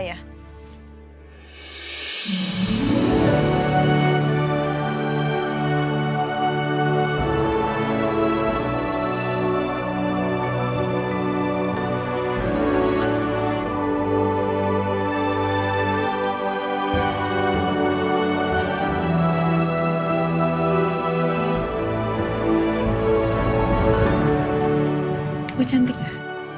aku cantik gak